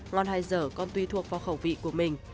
ngon hai dở còn tùy thuộc vào khẩu vị của mình